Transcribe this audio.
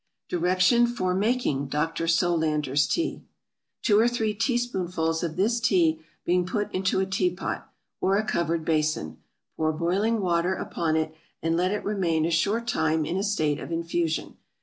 DIRECTION FOR MAKING DR. SOLANDER's TEA. Two or three tea spoonfuls of this Tea being put into a tea pot, or a covered bason, pour boiling water upon it, and let it remain a short time in a state of infusion.